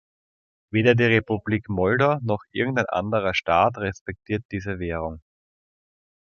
Weder die Republik Moldau noch irgendein anderer Staat respektiert diese Währung.